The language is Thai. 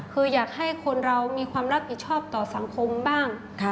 คืออยากให้คนเรามีความรับผิดชอบต่อสังคมบ้าง